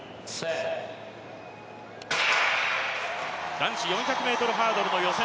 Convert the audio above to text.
男子４００ｍハードルの予選